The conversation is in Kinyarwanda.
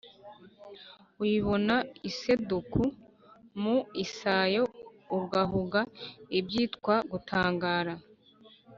Uyibona iseduka mu isayo Ugahuga ibyitwa gutangara,